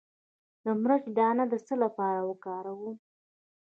د مرچ دانه د څه لپاره وکاروم؟